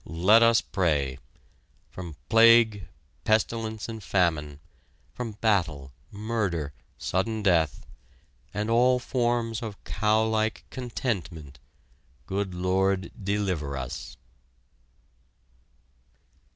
Let us pray! From plague, pestilence and famine, from battle, murder, sudden death, and all forms of cowlike contentment, Good Lord, deliver us!